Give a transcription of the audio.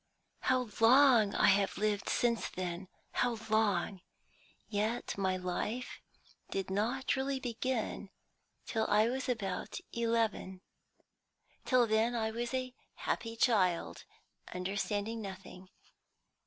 How long I have lived since then how long! Yet my life did not really begin till I was about eleven. Till then I was a happy child, understanding nothing.